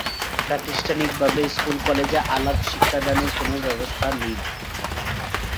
প্রাতিষ্ঠানিকভাবে স্কুল-কলেজে আলাপ শিক্ষাদানের কোনো ব্যবস্থা নেই।